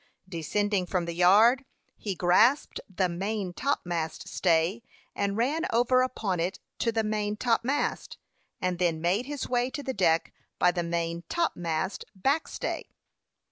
Descending from the yard, he grasped the main topmast stay, and ran over upon it to the main topmast, and then made his way to the deck by the main topmast back stay.